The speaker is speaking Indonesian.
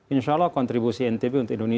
insya allah kontribusi ntb untuk indonesia